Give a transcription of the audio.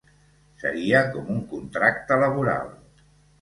Seria com un contracte laboral.